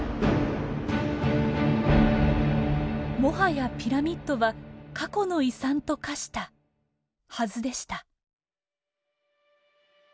もはやピラミッドは過去の遺産と化したはずでした。